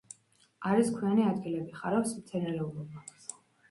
არის ქვიანი ადგილები, ხარობს მცენარეულობა.